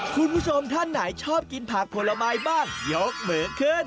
คุณผู้ชมท่านไหนชอบกินผักผลไม้บ้างยกมือขึ้น